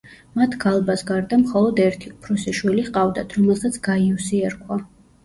მათ გალბას გარდა მხოლოდ ერთი, უფროსი შვილი ჰყავდათ, რომელსაც გაიუსი ერქვა.